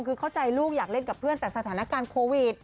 คือเข้าใจลูกอยากเล่นกับเพื่อนแต่สถานการณ์โควิด